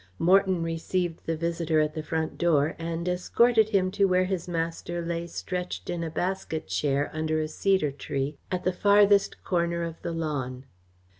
Morton received the visitor at the front door and escorted him to where his master lay stretched in a basket chair under a cedar tree at the farthest corner of the lawn.